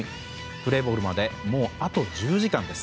プレーボールまでもうあと１０時間です。